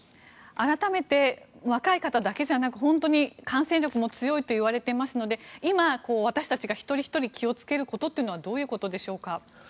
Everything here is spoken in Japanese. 改めて若い方だけじゃなく本当に感染力も強いといわれていますので今、私たちが一人ひとり気を付けることはどのようなことでしょうか。